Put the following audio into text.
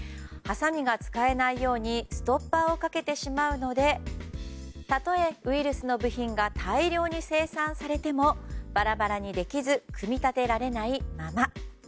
はさみが使えないようにストッパーをかけてしまうのでたとえウイルスの部品が大量に生産されてもバラバラにできず組み立てられないまま。